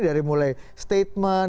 dari mulai statement